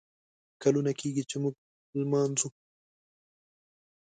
کلونه کیږي ، چې موږه لمانځو